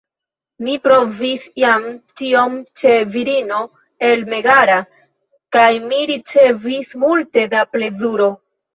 Mi provis jam tion ĉe virino el Megara, kaj mi ricevis multe da plezuro.